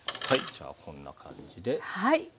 じゃあこんな感じで。